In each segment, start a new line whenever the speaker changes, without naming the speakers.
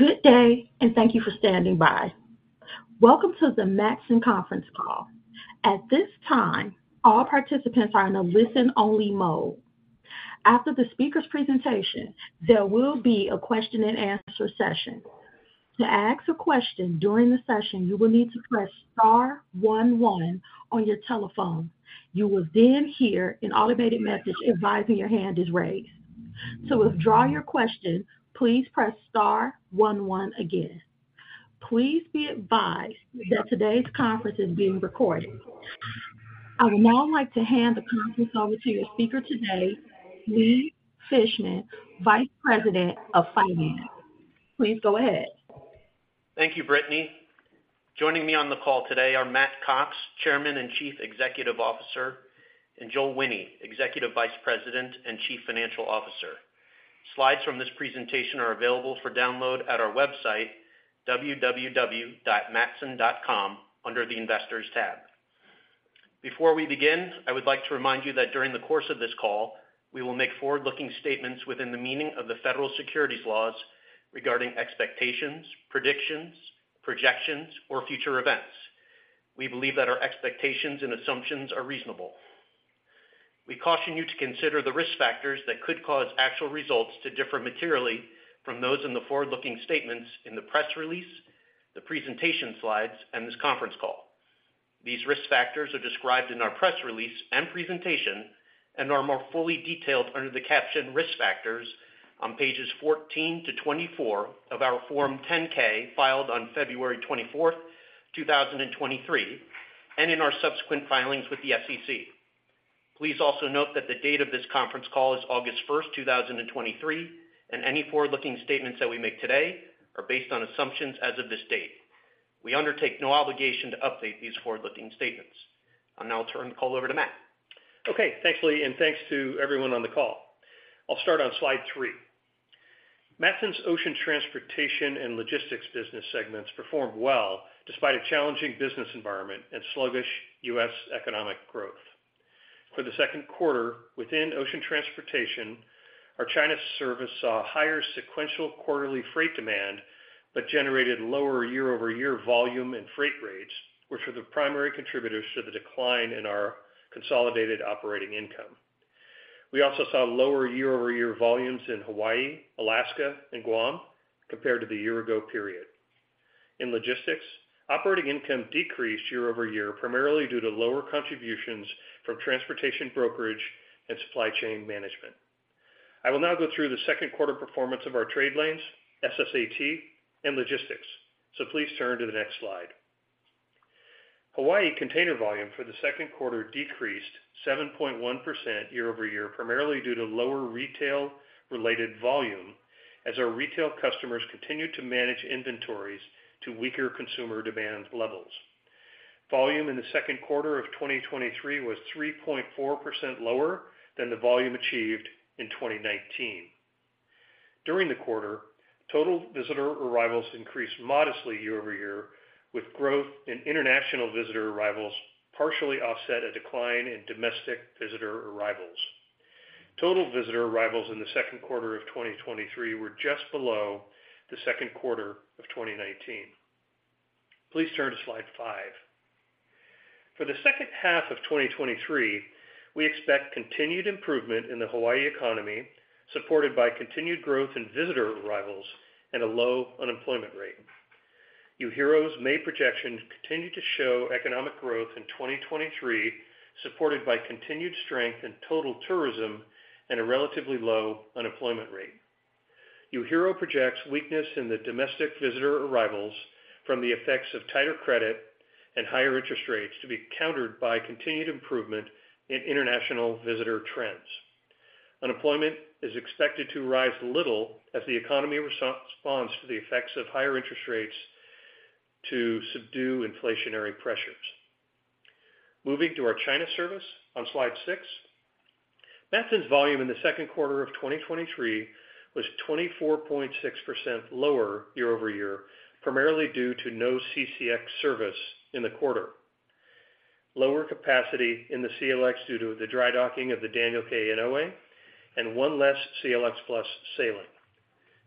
Good day, and thank you for standing by. Welcome to the Matson Conference Call. At this time, all participants are in a listen-only mode. After the speaker's presentation, there will be a question and answer session. To ask a question during the session, you will need to press star one one on your telephone. You will then hear an automated message advising your hand is raised. To withdraw your question, please press star one one again. Please be advised that today's conference is being recorded. I would now like to hand the conference over to your speaker today, Lee Fishman, Vice President of Finance. Please go ahead.
Thank you, Brittany. Joining me on the call today are Matt Cox, Chairman and Chief Executive Officer, and Joel Wine, Executive Vice President and Chief Financial Officer. Slides from this presentation are available for download at our website, www.matson.com, under the Investors tab. Before we begin, I would like to remind you that during the course of this call, we will make forward-looking statements within the meaning of the federal securities laws regarding expectations, predictions, projections, or future events. We believe that our expectations and assumptions are reasonable. We caution you to consider the risk factors that could cause actual results to differ materially from those in the forward-looking statements in the press release, the presentation slides, and this conference call. These risk factors are described in our press release and presentation and are more fully detailed under the caption Risk Factors on pages 14-24 of our Form 10-K, filed on February 24th, 2023, and in our subsequent filings with the SEC. Please also note that the date of this conference call is August 1, 2023, and any forward-looking statements that we make today are based on assumptions as of this date. We undertake no obligation to update these forward-looking statements. I'll now turn the call over to Matt.
Okay, thanks, Lee, and thanks to everyone on the call. I'll start on slide three. Matson's Ocean Transportation and Logistics business segments performed well, despite a challenging business environment and sluggish U.S. economic growth. For the second quarter, within Ocean Transportation, our China service saw higher sequential quarterly freight demand, but generated lower year-over-year volume and freight rates, which were the primary contributors to the decline in our consolidated operating income. We also saw lower year-over-year volumes in Hawaii, Alaska, and Guam compared to the year ago period. In Logistics, operating income decreased year-over-year, primarily due to lower contributions from transportation brokerage and supply chain management. I will now go through the second quarter performance of our trade lanes, SSAT, and Logistics. Please turn to the next slide. Hawaii container volume for the second quarter decreased 7.1% year-over-year, primarily due to lower retail-related volume as our retail customers continued to manage inventories to weaker consumer demand levels. Volume in the second quarter of 2023 was 3.4% lower than the volume achieved in 2019. During the quarter, total visitor arrivals increased modestly year-over-year, with growth in international visitor arrivals partially offset a decline in domestic visitor arrivals. Total visitor arrivals in the second quarter of 2023 were just below the second quarter of 2019. Please turn to slide five. For the second half of 2023, we expect continued improvement in the Hawaii economy, supported by continued growth in visitor arrivals and a low unemployment rate. UHERO's May projections continue to show economic growth in 2023, supported by continued strength in total tourism and a relatively low unemployment rate. UHERO projects weakness in the domestic visitor arrivals from the effects of tighter credit and higher interest rates to be countered by continued improvement in international visitor trends. Unemployment is expected to rise little as the economy responds to the effects of higher interest rates to subdue inflationary pressures. Moving to our China service on slide six. Matson's volume in the second quarter of 2023 was 24.6% lower year-over-year, primarily due to no CCX service in the quarter. Lower capacity in the CLX due to the dry docking of the Daniel K. Inouye and one less CLX+ sailing.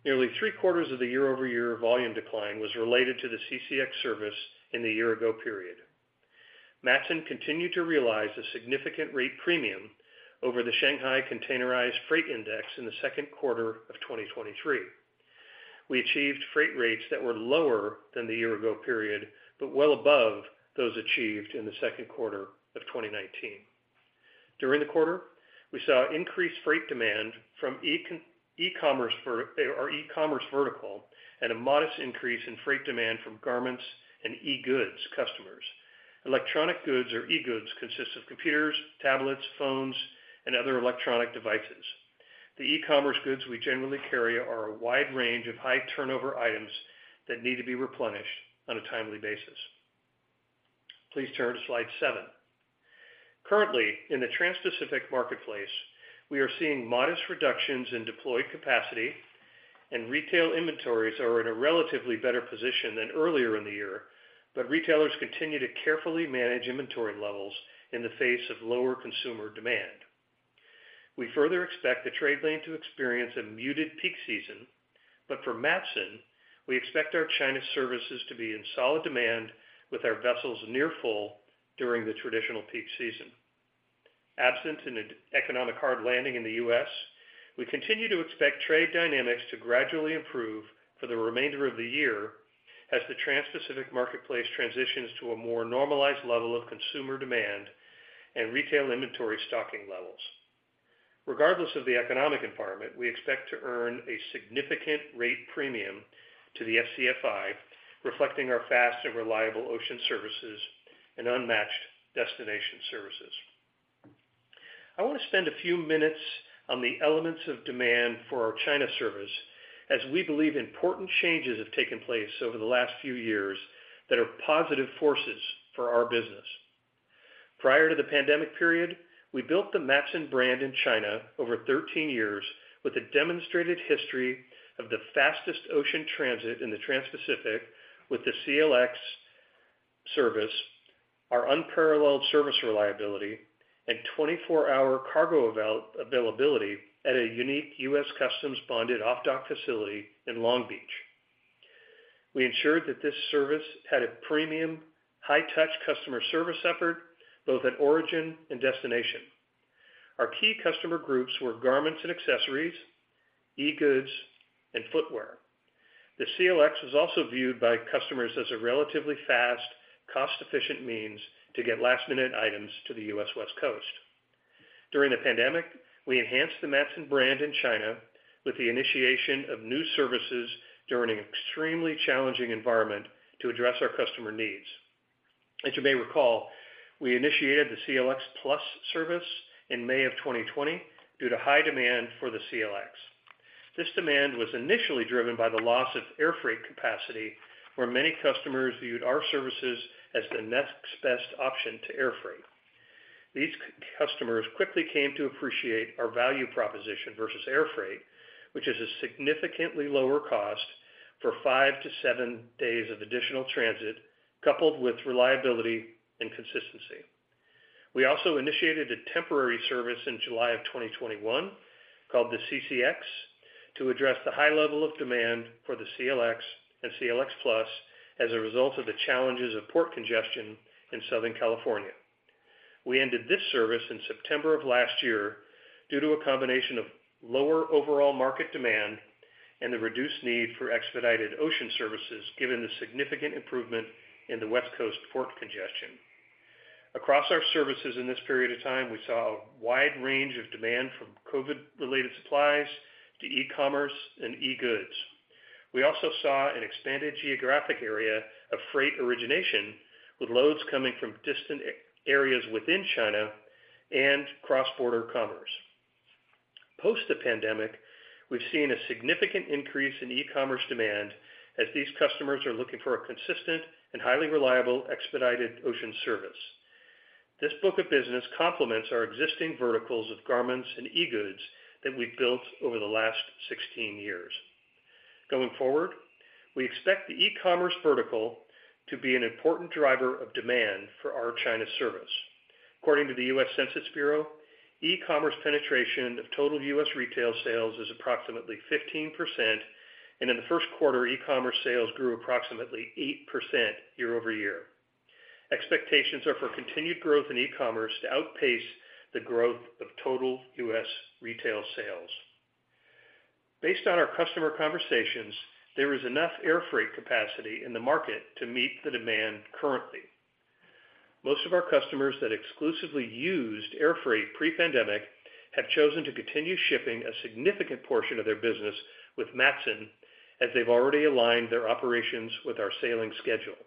Nearly three-quarters of the year-over-year volume decline was related to the CCX service in the year ago period. Matson continued to realize a significant rate premium over the Shanghai Containerized Freight Index in the second quarter of 2023. We achieved freight rates that were lower than the year-ago period, but well above those achieved in the second quarter of 2019. During the quarter, we saw increased freight demand from our e-commerce vertical and a modest increase in freight demand from garments and e-goods customers. Electronic goods or e-goods consist of computers, tablets, phones, and other electronic devices. The e-commerce goods we generally carry are a wide range of high-turnover items that need to be replenished on a timely basis. Please turn to slide seven. Currently, in the Trans-Pacific marketplace, we are seeing modest reductions in deployed capacity. Retail inventories are in a relatively better position than earlier in the year, but retailers continue to carefully manage inventory levels in the face of lower consumer demand. We further expect the trade lane to experience a muted peak season. For Matson, we expect our China services to be in solid demand with our vessels near full during the traditional peak season. Absent an economic hard landing in the U.S., we continue to expect trade dynamics to gradually improve for the remainder of the year as the Trans-Pacific marketplace transitions to a more normalized level of consumer demand and retail inventory stocking levels. Regardless of the economic environment, we expect to earn a significant rate premium to the SCFI, reflecting our fast and reliable ocean services and unmatched destination services. I want to spend a few minutes on the elements of demand for our China service, as we believe important changes have taken place over the last few years that are positive forces for our business. Prior to the pandemic period, we built the Matson brand in China over 13 years with a demonstrated history of the fastest ocean transit in the Trans-Pacific with the CLX service, our unparalleled service reliability, and 24-hour cargo availability at a unique U.S. Customs bonded off-dock facility in Long Beach. We ensured that this service had a premium, high-touch customer service effort, both at origin and destination. Our key customer groups were garments and accessories, e-goods, and footwear. The CLX was also viewed by customers as a relatively fast, cost-efficient means to get last-minute items to the U.S. West Coast. During the pandemic, we enhanced the Matson brand in China with the initiation of new services during an extremely challenging environment to address our customer needs. As you may recall, we initiated the CLX+ service in May of 2020 due to high demand for the CLX. This demand was initially driven by the loss of air freight capacity, where many customers viewed our services as the next best option to air freight. These customers quickly came to appreciate our value proposition versus air freight, which is a significantly lower cost for five to seven days of additional transit, coupled with reliability and consistency. We also initiated a temporary service in July of 2021, called the CCX, to address the high level of demand for the CLX and CLX+ as a result of the challenges of port congestion in Southern California. We ended this service in September of last year due to a combination of lower overall market demand and the reduced need for expedited ocean services, given the significant improvement in the West Coast port congestion. Across our services in this period of time, we saw a wide range of demand from COVID-related supplies to e-commerce and e-goods. We also saw an expanded geographic area of freight origination, with loads coming from distant areas within China and cross-border commerce. Post the pandemic, we've seen a significant increase in e-commerce demand as these customers are looking for a consistent and highly reliable expedited ocean service. This book of business complements our existing verticals of garments and e-goods that we've built over the last 16 years. Going forward, we expect the e-commerce vertical to be an important driver of demand for our China service. According to the U.S. Census Bureau, e-commerce penetration of total U.S. retail sales is approximately 15%, and in the first quarter, e-commerce sales grew approximately 8% year-over-year. Expectations are for continued growth in e-commerce to outpace the growth of total U.S. retail sales. Based on our customer conversations, there is enough air freight capacity in the market to meet the demand currently. Most of our customers that exclusively used air freight pre-pandemic have chosen to continue shipping a significant portion of their business with Matson, as they've already aligned their operations with our sailing schedule.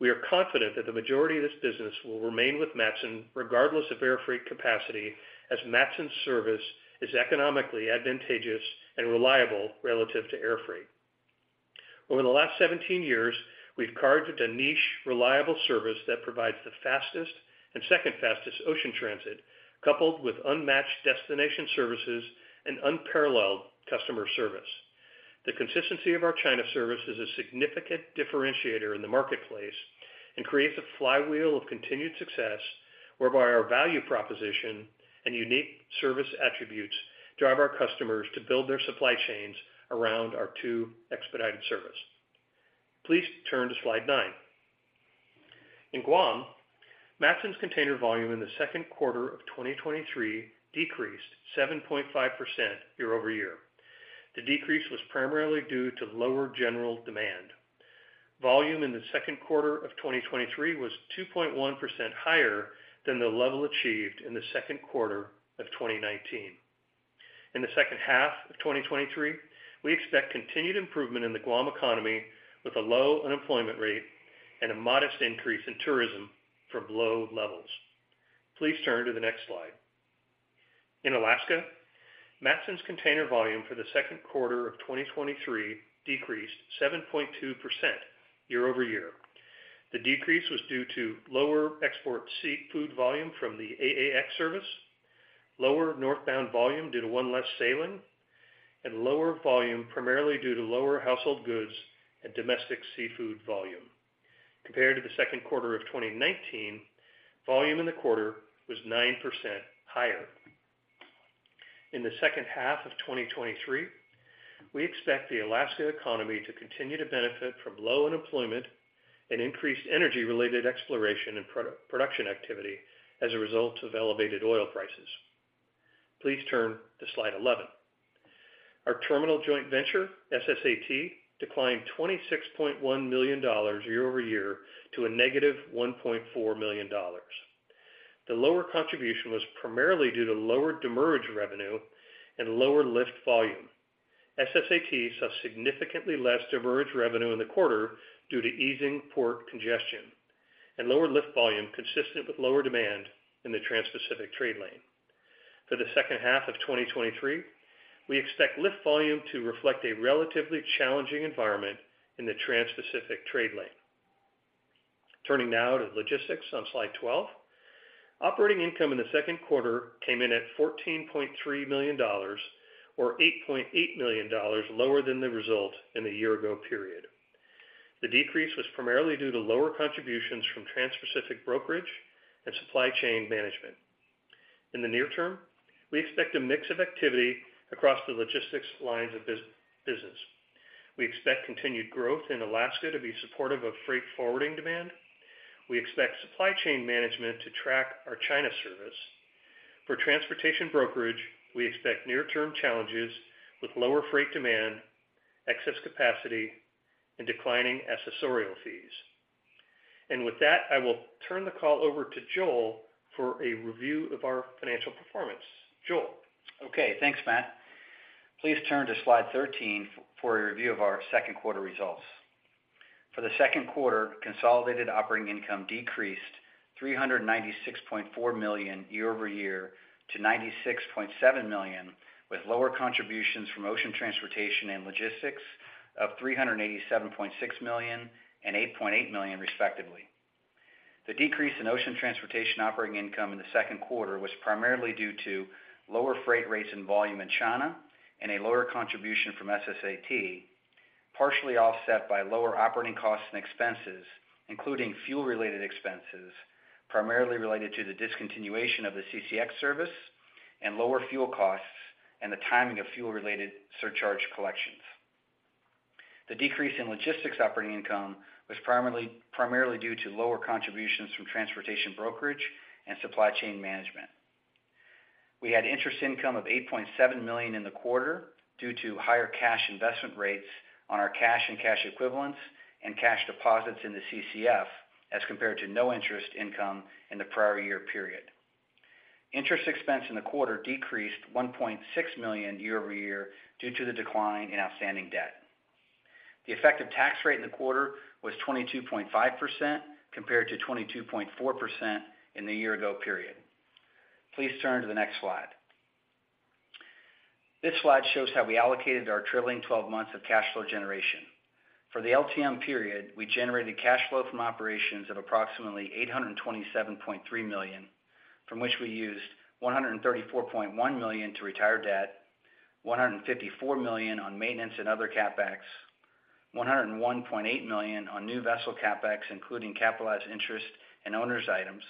We are confident that the majority of this business will remain with Matson regardless of air freight capacity, as Matson's service is economically advantageous and reliable relative to air freight. Over the last 17 years, we've carved a niche, reliable service that provides the fastest and second fastest ocean transit, coupled with unmatched destination services and unparalleled customer service. The consistency of our China service is a significant differentiator in the marketplace and creates a flywheel of continued success, whereby our value proposition and unique service attributes drive our customers to build their supply chains around our two expedited service. Please turn to slide nine. In Guam, Matson's container volume in the second quarter of 2023 decreased 7.5% year-over-year. The decrease was primarily due to lower general demand. Volume in the second quarter of 2023 was 2.1% higher than the level achieved in the second quarter of 2019. In the second half of 2023, we expect continued improvement in the Guam economy with a low unemployment rate and a modest increase in tourism from low levels. Please turn to the next slide. In Alaska, Matson's container volume for the second quarter of 2023 decreased 7.2% year-over-year. The decrease was due to lower export seafood volume from the AAX service, lower northbound volume due to one less sailing, and lower volume primarily due to lower household goods and domestic seafood volume. Compared to the second quarter of 2019, volume in the quarter was 9% higher. In the second half of 2023, we expect the Alaska economy to continue to benefit from low unemployment and increased energy-related exploration and production activity as a result of elevated oil prices. Please turn to slide 11. Our terminal joint venture, SSAT, declined $26.1 million year-over-year to a negative $1.4 million. The lower contribution was primarily due to lower demurrage revenue and lower lift volume. SSAT saw significantly less demurrage revenue in the quarter due to easing port congestion and lower lift volume, consistent with lower demand in the Trans-Pacific trade lane. For the second half of 2023, we expect lift volume to reflect a relatively challenging environment in the Transpacific trade lane. Turning now to Logistics on Slide 12. Operating income in the second quarter came in at $14.3 million, or $8.8 million lower than the result in the year-ago period. The decrease was primarily due to lower contributions from Transpacific brokerage and supply chain management. In the near term, we expect a mix of activity across the logistics lines of business. We expect continued growth in Alaska to be supportive of freight forwarding demand. We expect supply chain management to track our China service. For transportation brokerage, we expect near-term challenges with lower freight demand, excess capacity, and declining accessorial fees. With that, I will turn the call over to Joel for a review of our financial performance. Joel?
Okay, thanks, Matt. Please turn to Slide 13 for a review of our second quarter results. For the second quarter, consolidated operating income decreased $396.4 million year-over-year to $96.7 million, with lower contributions from Ocean Transportation and Logistics of $387.6 million and $8.8 million, respectively. The decrease in Ocean Transportation operating income in the second quarter was primarily due to lower freight rates and volume in China and a lower contribution from SSAT, partially offset by lower operating costs and expenses, including fuel-related expenses, primarily related to the discontinuation of the CCX service and lower fuel costs and the timing of fuel-related surcharge collections. The decrease in Logistics operating income was primarily due to lower contributions from transportation brokerage and supply chain management. We had interest income of $8.7 million in the quarter due to higher cash investment rates on our cash and cash equivalents and cash deposits in the CCF, as compared to no interest income in the prior year period. Interest expense in the quarter decreased $1.6 million year-over-year due to the decline in outstanding debt. The effective tax rate in the quarter was 22.5%, compared to 22.4% in the year-ago period. Please turn to the next slide. This slide shows how we allocated our trailing twelve months of cash flow generation. For the LTM period, we generated cash flow from operations of approximately $827.3 million, from which we used $134.1 million to retire debt, $154 million on maintenance and other CapEx, $101.8 million on new vessel CapEx, including capitalized interest and owners' items,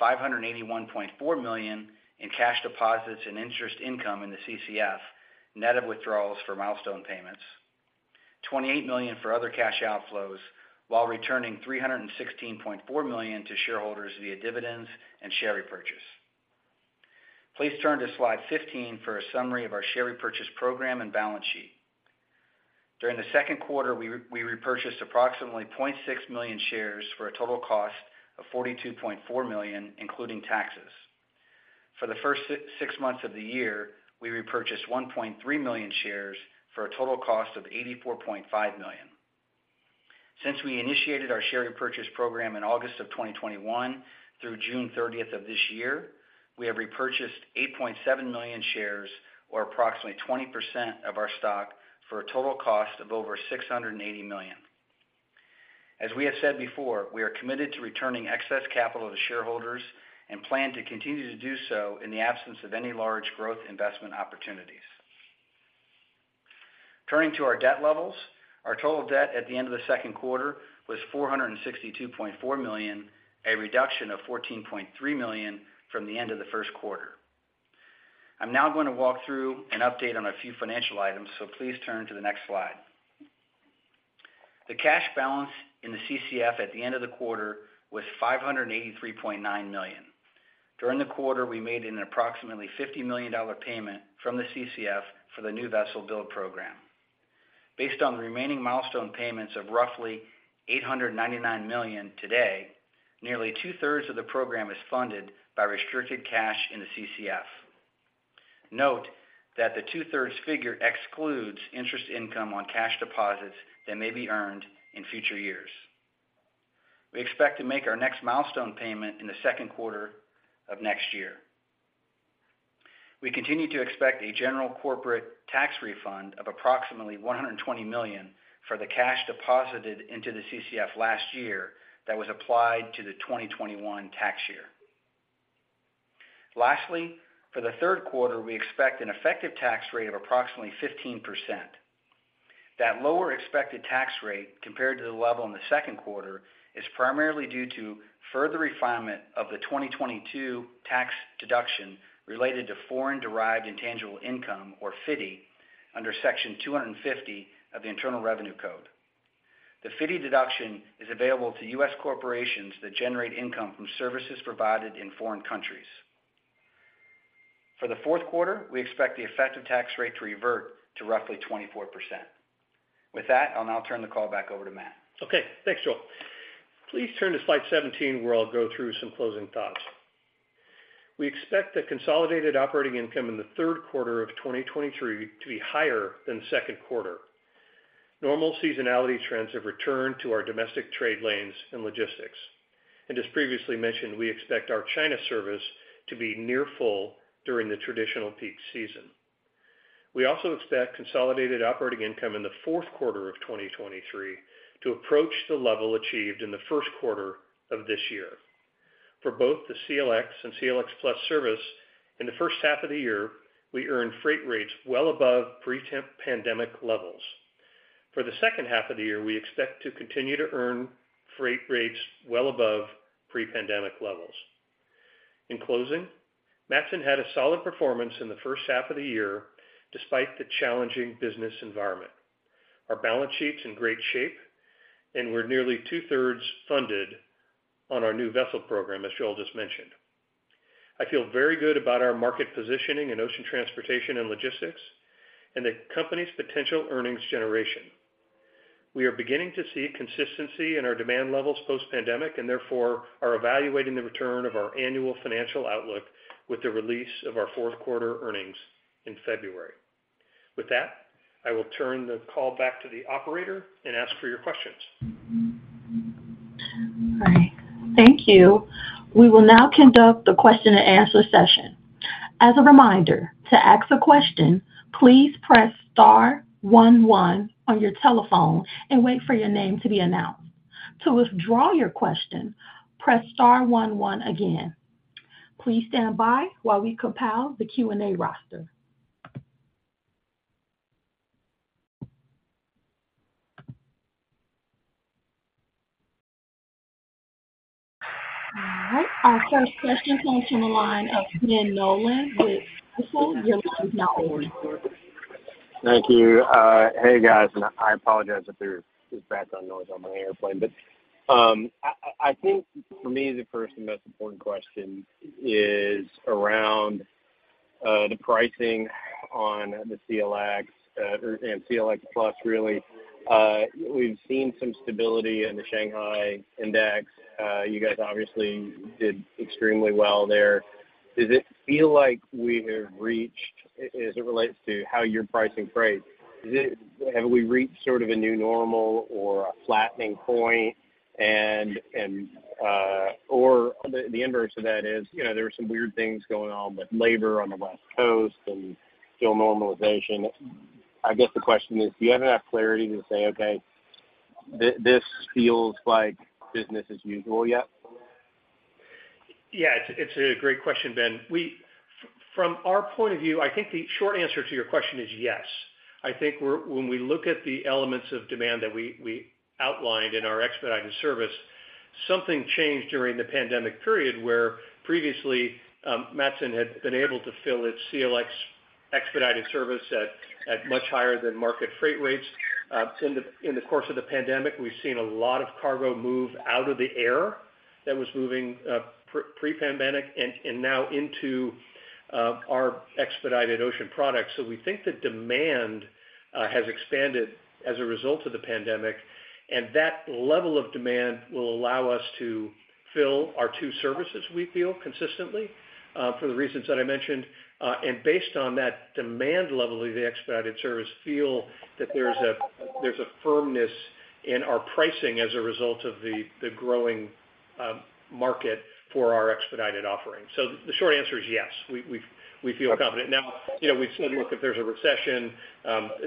$581.4 million in cash deposits and interest income in the CCF, net of withdrawals for milestone payments, $28 million for other cash outflows, while returning $316.4 million to shareholders via dividends and share repurchase. Please turn to Slide 15 for a summary of our share repurchase program and balance sheet. During the second quarter, we repurchased approximately 0.6 million shares for a total cost of $42.4 million, including taxes. For the first six months of the year, we repurchased 1.3 million shares for a total cost of $84.5 million. Since we initiated our share repurchase program in August of 2021, through June 30th of this year, we have repurchased 8.7 million shares, or approximately 20% of our stock, for a total cost of over $680 million. As we have said before, we are committed to returning excess capital to shareholders and plan to continue to do so in the absence of any large growth investment opportunities. Turning to our debt levels, our total debt at the end of the second quarter was $462.4 million, a reduction of $14.3 million from the end of the first quarter. I'm now going to walk through an update on a few financial items. Please turn to the next slide. The cash balance in the CCF at the end of the quarter was $583.9 million. During the quarter, we made an approximately $50 million payment from the CCF for the new vessel build program. Based on the remaining milestone payments of roughly $899 million today, nearly two-thirds of the program is funded by restricted cash in the CCF. Note that the two-thirds figure excludes interest income on cash deposits that may be earned in future years. We expect to make our next milestone payment in the second quarter of next year. We continue to expect a general corporate tax refund of approximately $120 million for the cash deposited into the CCF last year that was applied to the 2021 tax year. Lastly, for the third quarter, we expect an effective tax rate of approximately 15%. That lower expected tax rate compared to the level in the second quarter, is primarily due to further refinement of the 2022 tax deduction related to Foreign-Derived Intangible Income, or FDII, under Section 250 of the Internal Revenue Code. The FDII deduction is available to U.S. corporations that generate income from services provided in foreign countries. For the fourth quarter, we expect the effective tax rate to revert to roughly 24%. With that, I'll now turn the call back over to Matt.
Okay, thanks, Joel. Please turn to slide 17, where I'll go through some closing thoughts. We expect the consolidated operating income in the 3rd quarter of 2023 to be higher than the 2nd quarter. Normal seasonality trends have returned to our domestic trade lanes and Logistics. As previously mentioned, we expect our China service to be near full during the traditional peak season. We also expect consolidated operating income in the 4th quarter of 2023 to approach the level achieved in the 1st quarter of this year. For both the CLX and CLX+ service, in the 1st half of the year, we earned freight rates well above pre-pandemic levels. For the 2nd half of the year, we expect to continue to earn freight rates well above pre-pandemic levels. In closing, Matson had a solid performance in the first half of the year, despite the challenging business environment. Our balance sheet's in great shape, and we're nearly two-thirds funded on our new vessel program, as Joel just mentioned. I feel very good about our market positioning in Ocean Transportation and Logistics, and the company's potential earnings generation. We are beginning to see consistency in our demand levels post-pandemic, and therefore are evaluating the return of our annual financial outlook with the release of our fourth quarter earnings in February. With that, I will turn the call back to the operator and ask for your questions.
Hi, thank you. We will now conduct the question-and-answer session. As a reminder, to ask a question, please press star one one on your telephone and wait for your name to be announced. To withdraw your question, press star one one again. Please stand by while we compile the Q&A roster. All right, our first question comes from the line of [Benjamin] Nolan with Stifel.
Thank you. Hey, guys, and I apologize if there's background noise on my airplane. I, I, I think for me, the first and most important question is around the pricing on the CLX and CLX+ really. We've seen some stability in the Shanghai Index. You guys obviously did extremely well there. Does it feel like we have reached, as it relates to how you're pricing freight, have we reached sort of a new normal or a flattening point? Or the, the inverse of that is, you know, there are some weird things going on with labor on the West Coast and still normalization. I guess the question is, do you have enough clarity to say, "Okay, this feels like business as usual yet?
Yeah, it's, it's a great question, Ben. From our point of view, I think the short answer to your question is yes. When we look at the elements of demand that we, we outlined in our expedited service, something changed during the pandemic period, where previously, Matson had been able to fill its CLX expedited service at, at much higher than market freight rates. In the, in the course of the pandemic, we've seen a lot of cargo move out of the air that was moving pre-pandemic and, and now into our expedited ocean products. We think that demand has expanded as a result of the pandemic, and that level of demand will allow us to fill our two services, we feel, consistently, for the reasons that I mentioned. Based on that demand level of the expedited service, feel that there's a firmness in our pricing as a result of the growing market for our expedited offerings. The short answer is yes. We feel confident. You know, we still look, if there's a recession,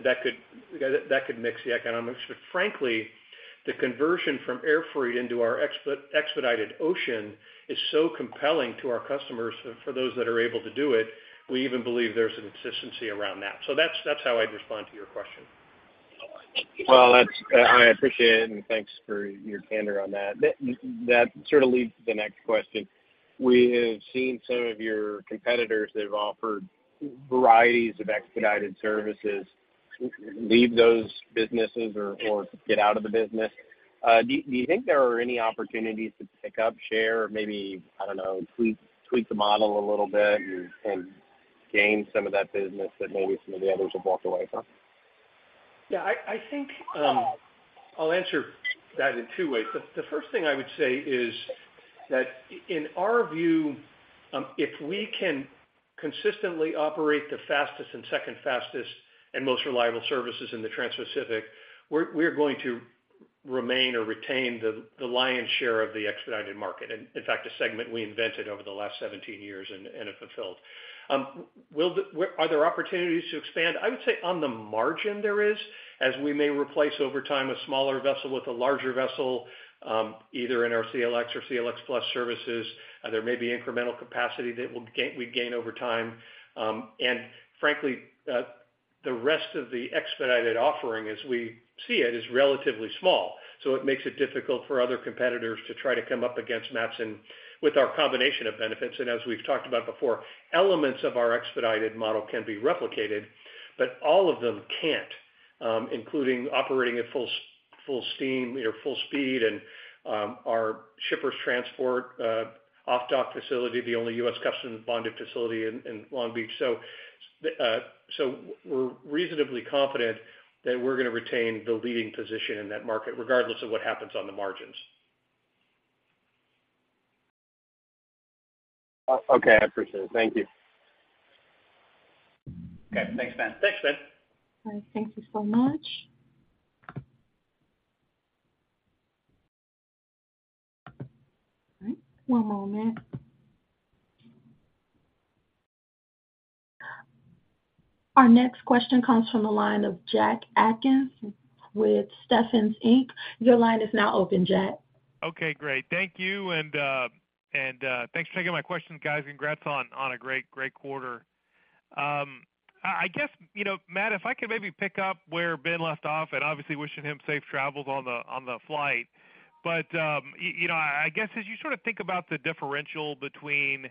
that could mix the economics. Frankly, the conversion from air freight into our expedited ocean is so compelling to our customers, for those that are able to do it, we even believe there's some consistency around that. That's how I'd respond to your question.
Well, that's, I appreciate it, and thanks for your candor on that. That sort of leads to the next question. We have seen some of your competitors, they've offered varieties of expedited services, leave those businesses or, or get out of the business. Do, do you think there are any opportunities to pick up share or maybe, I don't know, tweak, tweak the model a little bit and gain some of that business that maybe some of the others have walked away from?
Yeah, I, I think, I'll answer that in two ways. The, the first thing I would say is that i- in our view, if we can consistently operate the fastest and second fastest and most reliable services in the Trans-Pacific, we're- we're going to remain or retain the, the lion's share of the expedited market, and in fact, a segment we invented over the last 17 years and, and have fulfilled. Will the, are there opportunities to expand? I would say on the margin there is, as we may replace over time, a smaller vessel with a larger vessel, either in our CLX or CLX+ services, there may be incremental capacity that will gain- we gain over time. Frankly, the rest of the expedited offering, as we see it, is relatively small. It makes it difficult for other competitors to try to come up against Matson with our combination of benefits. As we've talked about before, elements of our expedited model can be replicated, but all of them can't, including operating at full full steam or full speed, and our Shippers Transport off-dock facility, the only U.S. Custom bonded facility in Long Beach. We're reasonably confident that we're going to retain the leading position in that market, regardless of what happens on the margins.
Okay, I appreciate it. Thank you.
Okay, thanks, Ben.
Thanks, Ben.
All right. Thank you so much. All right, one moment. Our next question comes from the line of Jack Atkins with Stephens Inc.. Your line is now open, Jack.
Okay, great. Thank you, and thanks for taking my question, guys. Congrats on, on a great, great quarter. I guess, you know, Matt, if I could maybe pick up where Ben left off, and obviously wishing him safe travels on the flight. You know, I guess, as you sort of think about the differential between,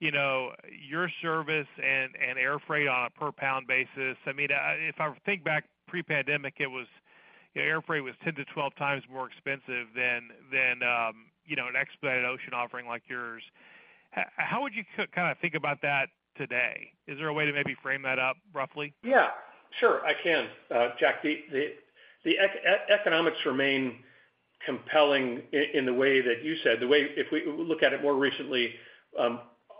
you know, your service and air freight on a per pound basis, I mean, if I think back pre-pandemic, it was, air freight was 10-12 times more expensive than, than, you know, an expedited ocean offering like yours. How would you kind of think about that today? Is there a way to maybe frame that up roughly?
Yeah, sure. I can, Jack. The economics remain compelling in the way that you said. If we look at it more recently,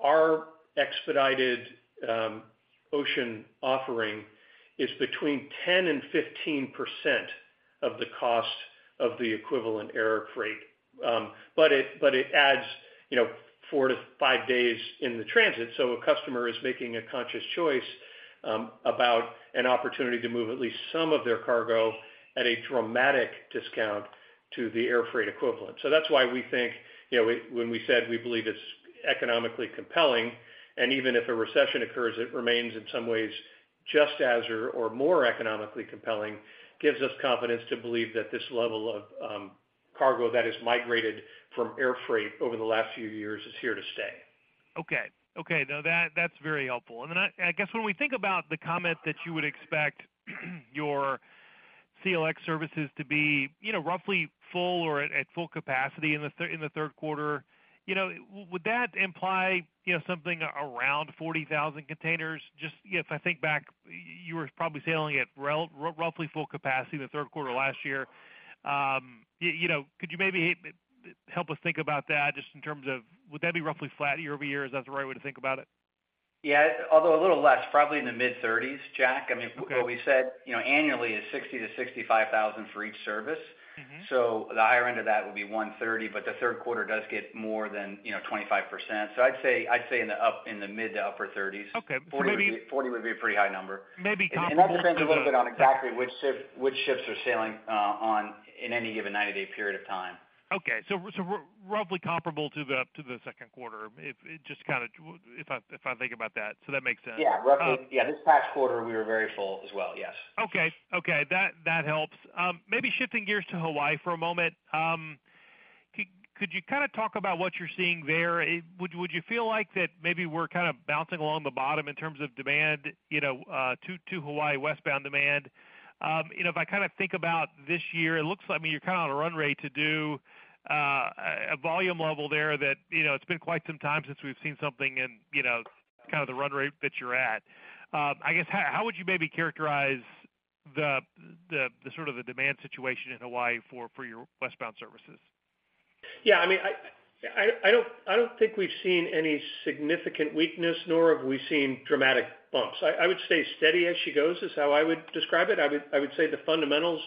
our expedited ocean offering is between 10% and 15% of the cost of the equivalent airfreight. But it adds, you know, four to five days in the transit. A customer is making a conscious choice, about an opportunity to move at least some of their cargo at a dramatic discount to the airfreight equivalent. That's why we think, you know, when we said we believe it's economically compelling, and even if a recession occurs, it remains in some ways, just as or more economically compelling, gives us confidence to believe that this level of cargo that is migrated from air freight over the last few years is here to stay.
Okay. Okay, now that, that's very helpful. I, I guess when we think about the comment that you would expect your CLX services to be, you know, roughly full or at, at full capacity in the third quarter, you know, would that imply, you know, something around 40,000 containers? Just, if I think back, you were probably sailing at roughly full capacity in the third quarter last year. You know, could you maybe help us think about that just in terms of would that be roughly flat year-over-year? Is that the right way to think about it?
Yeah, although a little less, probably in the mid-30s, Jack.
Okay.
I mean, what we said, you know, annually is 60 to 65,000 for each service.
Mm-hmm.
The higher end of that would be 130, but the third quarter does get more than, you know, 25%. I'd say, I'd say in the up, in the mid to upper 30s.
Okay.
40, 40 would be a pretty high number.
Maybe comparable to.
That depends a little bit on exactly which ship, which ships are sailing on in any given 90-day period of time.
Roughly comparable to the second quarter. It just kind of, if I think about that, that makes sense.
Yeah, roughly.
Um.
Yeah, this past quarter, we were very full as well, yes.
Okay. Okay, that, that helps. Maybe shifting gears to Hawaii for a moment. Could you kind of talk about what you're seeing there? Would, would you feel like that maybe we're kind of bouncing along the bottom in terms of demand, you know, to, to Hawaii, westbound demand? You know, if I kind of think about this year, it looks like, I mean, you're kind of on a run rate to do a volume level there that, you know, it's been quite some time since we've seen something in, you know, kind of the run rate that you're at. I guess, how, how would you maybe characterize the, the, the sort of the demand situation in Hawaii for, for your westbound services?
Yeah, I mean, I, I, I don't, I don't think we've seen any significant weakness, nor have we seen dramatic bumps. I, I would say steady as she goes, is how I would describe it. I would, I would say the fundamentals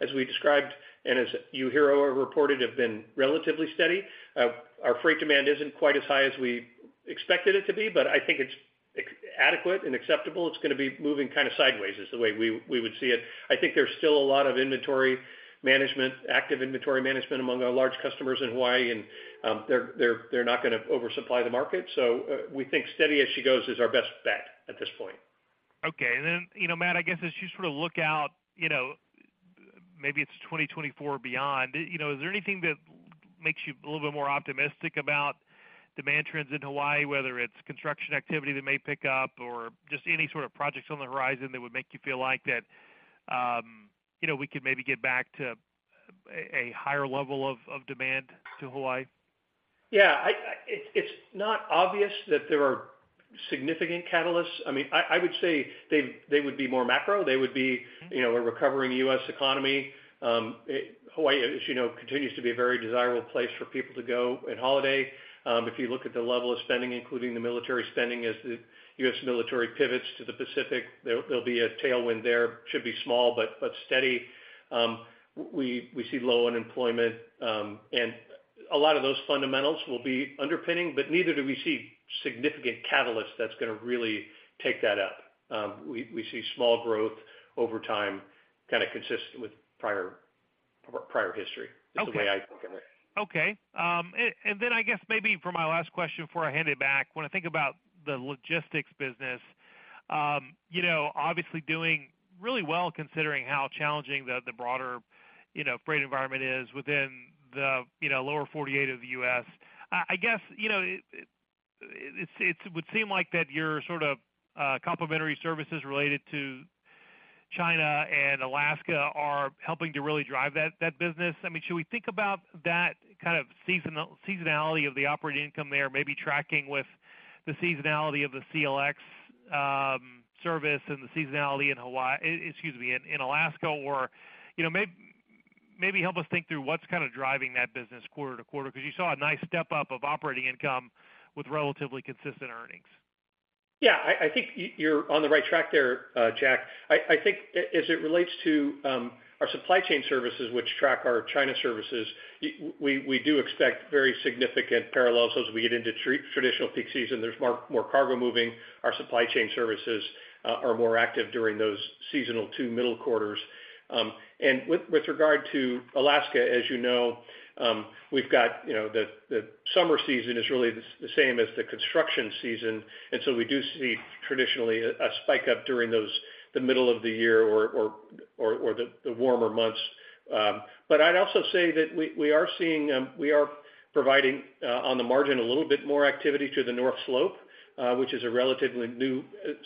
as we described and as you hear or reported, have been relatively steady. Our freight demand isn't quite as high as we expected it to be, but I think it's adequate and acceptable. It's going to be moving kind of sideways, is the way we, we would see it. I think there's still a lot of inventory management, active inventory management among our large customers in Hawaii, and they're, they're, they're not going to oversupply the market. We think steady as she goes is our best bet at this point.
Okay. Then, you know, Matt, I guess, as you sort of look out, you know, maybe it's 2024 beyond, you know, is there anything that makes you a little bit more optimistic about demand trends in Hawaii, whether it's construction activity that may pick up, or just any sort of projects on the horizon that would make you feel like that, you know, we could maybe get back to a, a higher level of, of demand to Hawaii?
Yeah, I... It's not obvious that there are significant catalysts. I mean, I would say they would be more macro. They would be-
Mm-hmm
You know, a recovering U.S. economy. Hawaii, as you know, continues to be a very desirable place for people to go and holiday. If you look at the level of spending, including the military spending, as the U.S. military pivots to the Pacific, there, there'll be a tailwind there. Should be small, but steady. We, we see low unemployment, and a lot of those fundamentals will be underpinning, but neither do we see significant catalyst that's going to really take that up. We, we see small growth over time, kind of consistent with prior, prior history.
Okay.
is the way I look at it.
Okay. Then I guess maybe for my last question before I hand it back. When I think about the Logistics business, you know, obviously doing really well considering how challenging the, the broader, you know, freight environment is within the, you know, lower 48 of the U.S. I, I guess, you know, it, it would seem like that you're sort of complimentary services related to China and Alaska are helping to really drive that, that business. I mean, should we think about that kind of seasonality of the operating income there, maybe tracking with the seasonality of the CLX service and the seasonality in excuse me, in, in Alaska, or, you know, maybe help us think through what's kind of driving that business quarter-to-quarter, because you saw a nice step up of operating income with relatively consistent earnings?
Yeah, I, I think you're on the right track there, Jack. I, I think as it relates to our supply chain services, which track our China services, we, we do expect very significant parallels as we get into traditional peak season. There's more, more cargo moving. Our supply chain services are more active during those seasonal two middle quarters. With, with regard to Alaska, as you know, we've got, you know, the, the summer season is really the same as the construction season, and so we do see traditionally a, a spike up during those the middle of the year or, or, or, or the, the warmer months. I'd also say that we, we are seeing, we are providing, on the margin, a little bit more activity to the North Slope, which is a relatively new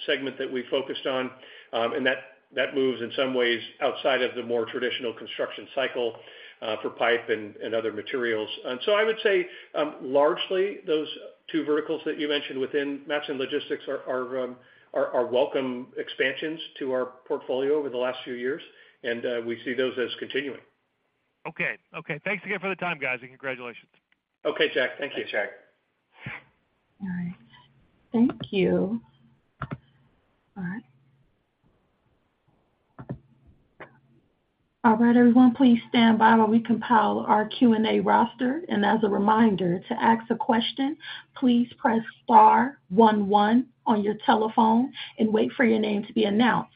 segment that we focused on. That, that moves in some ways outside of the more traditional construction cycle, for pipe and, and other materials. I would say, largely, those two verticals that you mentioned within Matson Logistics are, are, are welcome expansions to our portfolio over the last few years, and we see those as continuing.
Okay. Okay, thanks again for the time, guys, and congratulations.
Okay, Jack. Thank you.
Thanks, Jack.
All right. Thank you. All right. All right, everyone, please stand by while we compile our Q&A roster. As a reminder, to ask a question, please press star one one on your telephone and wait for your name to be announced.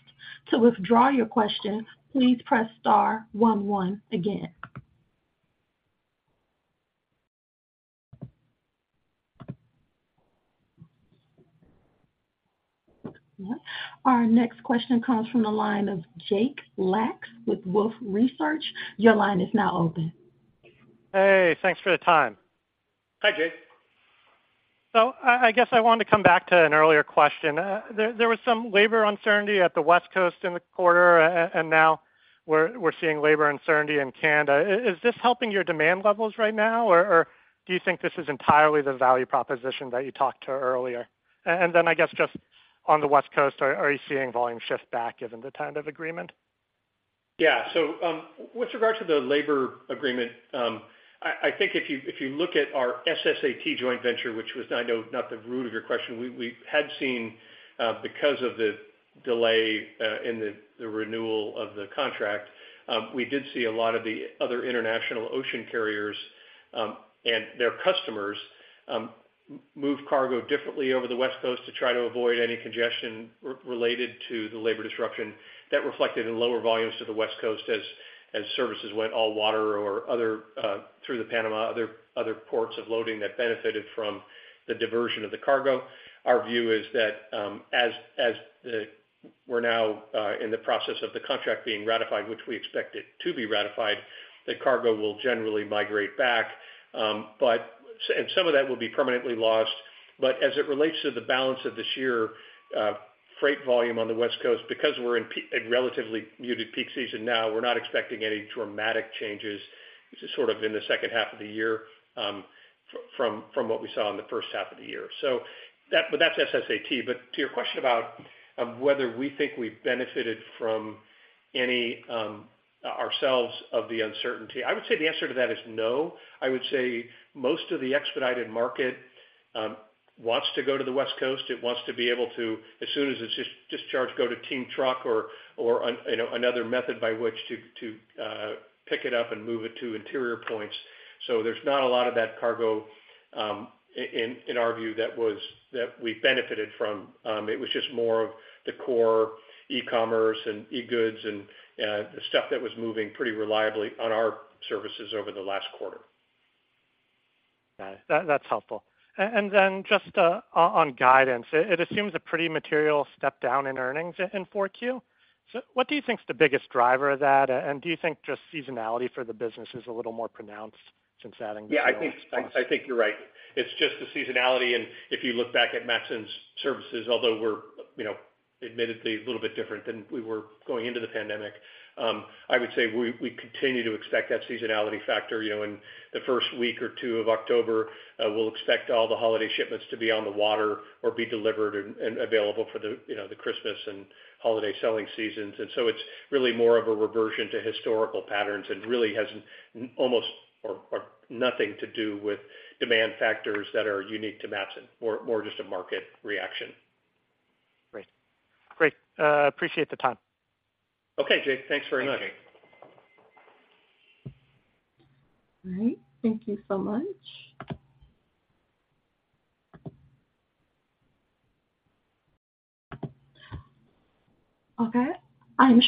To withdraw your question, please press star one one again. Our next question comes from the line of Jacob Lacks with Wolfe Research. Your line is now open.
Hey, thanks for the time.
Hi, Jake.
I, I guess I wanted to come back to an earlier question. There was some labor uncertainty at the West Coast in the quarter, and now we're seeing labor uncertainty in Canada. Is this helping your demand levels right now, or do you think this is entirely the value proposition that you talked to earlier? And then, I guess, just on the West Coast, are you seeing volume shift back given the kind of agreement?
Yeah. With regard to the labor agreement, I, I think if you, if you look at our SSAT joint venture, which was, I know, not the root of your question, we, we had seen because of the delay in the renewal of the contract, we did see a lot of the other international ocean carriers, and their customers, move cargo differently over the West Coast to try to avoid any congestion related to the labor disruption that reflected in lower volumes to the West Coast as, as services went all water or other, through the Panama, other, other ports of loading that benefited from the diversion of the cargo. Our view is that, as, as the we're now in the process of the contract being ratified, which we expect it to be ratified, that cargo will generally migrate back, and some of that will be permanently lost. As it relates to the balance of this year, freight volume on the West Coast, because we're in relatively muted peak season now, we're not expecting any dramatic changes. This is sort of in the second half of the year, from, from what we saw in the first half of the year. But that's SSAT. To your question about whether we think we've benefited from any, ourselves of the uncertainty, I would say the answer to that is no. I would say most of the expedited market wants to go to the West Coast. It wants to be able to, as soon as it's discharged, go to team truck or, or you know, another method by which to, to pick it up and move it to interior points. There's not a lot of that cargo, in, in our view, that we benefited from. It was just more of the core e-commerce and e-goods and, the stuff that was moving pretty reliably on our services over the last quarter.
Got it. That, that's helpful. Then just on guidance, it assumes a pretty material step down in earnings in 4Q. What do you think is the biggest driver of that? Do you think just seasonality for the business is a little more pronounced since adding the new response?
Yeah, I think, I, I think you're right. It's just the seasonality, and if you look back at Matson's services, although we're, you know, admittedly a little bit different than we were going into the pandemic, I would say we, we continue to expect that seasonality factor. You know, in the first week or two of October, we'll expect all the holiday shipments to be on the water or be delivered and, and available for the, you know, the Christmas and holiday selling seasons. So it's really more of a reversion to historical patterns and really has almost or, or nothing to do with demand factors that are unique to Matson, more, more just a market reaction.
Great. Great, appreciate the time.
Okay, Jake. Thanks very much.
Thanks, Jake.
All right. Thank you so much. Okay. I am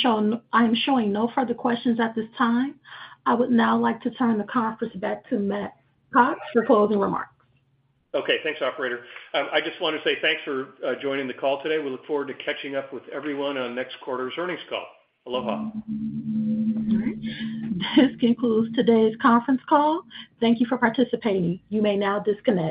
showing no further questions at this time. I would now like to turn the conference back to Matt Cox for closing remarks.
Okay. Thanks, operator. I just want to say thanks for joining the call today. We look forward to catching up with everyone on next quarter's earnings call. Aloha.
All right. This concludes today's conference call. Thank you for participating. You may now disconnect.